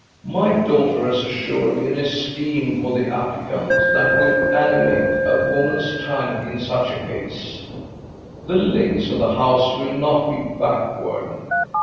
My daughter has assuredly an esteem for the applicant that will animate a woman's tongue in such a case. The ladies of the house will not be backward.